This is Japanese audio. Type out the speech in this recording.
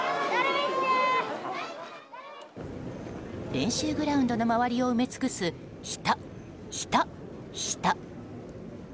練習グラウンドの周りを埋め尽くす人、人、人。